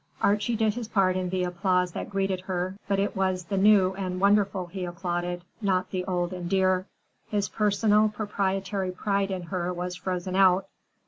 Archie did his part in the applause that greeted her, but it was the new and wonderful he applauded, not the old and dear. His personal, proprietary pride in her was frozen out.